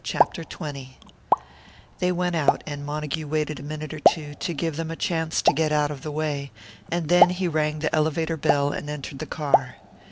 CHAPTER XX They went out; and Montague waited a minute or two, to give them a chance to get out of the way, and then he rang the elevator bell and entered the car.